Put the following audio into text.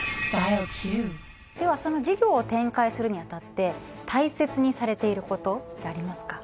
ではその事業を展開するに当たって大切にされていることってありますか？